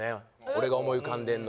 俺が思い浮かんでんの。